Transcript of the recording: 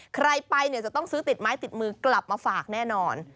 ใครไปเนี่ยจะต้องซื้อติดไม้ติดมือกลับมาฝากแน่นอน